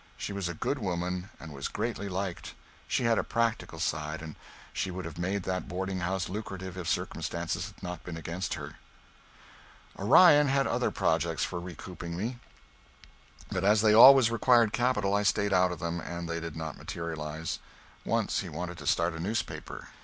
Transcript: She was a good woman, and was greatly liked. She had a practical side, and she would have made that boarding house lucrative if circumstances had not been against her. Orion had other projects for recouping me, but as they always required capital I stayed out of them, and they did not materialize. Once he wanted to start a newspaper.